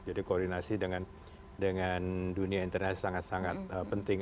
jadi koordinasi dengan dunia internasional sangat sangat penting